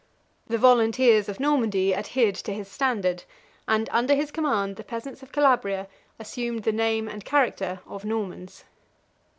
The volunteers of Normandy adhered to his standard; and, under his command, the peasants of Calabria assumed the name and character of Normans.